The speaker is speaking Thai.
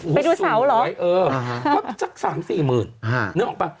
ไปดูเสาหรออือจัดสามสี่หมื่นนึกออกปะ